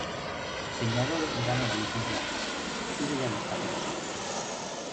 Peñarol ganó la Liguilla y Bella Vista quedó segundo.